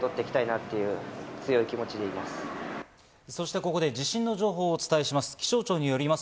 ここで地震の情報をお伝えします。